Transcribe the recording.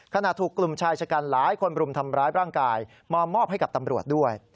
ขณะถูกกลุ่มชายชะกันหลายคนบรุมทำร้ายร่างกายมามอบให้กับตำรวจด้วย